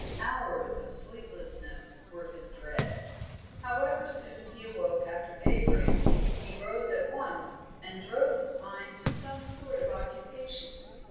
Hours of sleeplessness were his dread. However soon he awoke after daybreak, he rose at once and drove his mind to some sort of occupation.